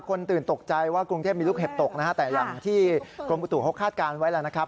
คนตื่นตกใจว่ากรุงเทพมีลูกเห็บตกนะฮะแต่อย่างที่กรมอุตุเขาคาดการณ์ไว้แล้วนะครับ